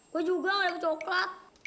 gua juga ga dapat coklat